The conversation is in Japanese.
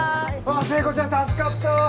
聖子ちゃん助かったわ！